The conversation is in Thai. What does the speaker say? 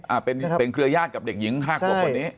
อะเป็นเครือยาฆกับเด็กหญิง๕ประกว่าคนเนี่ย